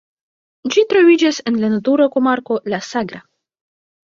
Ĝi troviĝas en la natura komarko La Sagra.